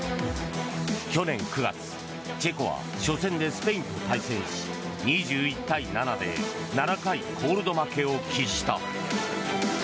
去年９月、チェコは初戦でスペインと対戦し２１対７で７回コールド負けを喫した。